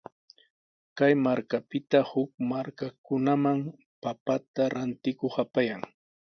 Kay markapita huk markakunaman papata rantikuq apayan.